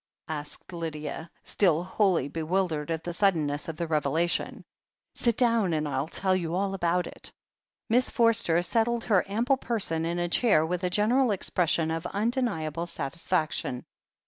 asked Lydia, still wholly bewildered at the suddenness of the revelation. "Sit down, and I'll tell you all about it." Miss Forster settled her ample person in a chair, with a general expression of undeniable satisfaction.